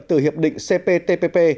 từ hiệp định cptpp